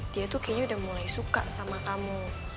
dia tuh kayaknya udah mulai suka sama kamu